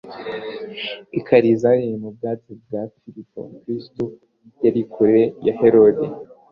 I Kayisariya mu bwatsi bwa Filipo, Kristo yari kure ya Herode